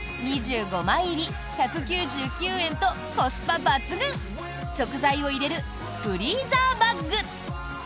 ２５枚入り１９９円とコスパ抜群食材を入れるフリーザーバッグ。